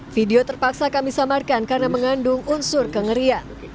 video terpaksa kami samarkan karena mengandung unsur kengerian